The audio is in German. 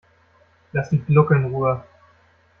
Lass die Glucke in Ruhe!